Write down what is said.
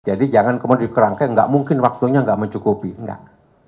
jadi jangan kemudian dikerangkan enggak mungkin waktunya enggak mencukupi enggak